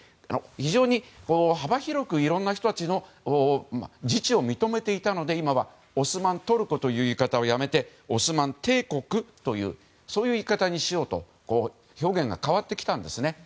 非常に幅広くいろんな人たちの自治を認めていたので、今はオスマントルコという言い方をやめてオスマン帝国という言い方にしようと表現が変わってきたんですね。